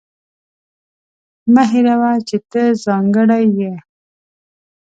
مه هېروه چې ته ځانګړې یې.